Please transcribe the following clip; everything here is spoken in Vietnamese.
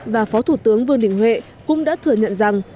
và phó thủ tướng vương đình huệ cũng đã thừa nhận rằng